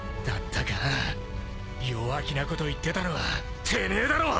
弱気なこと言ってたのはてめえだろう！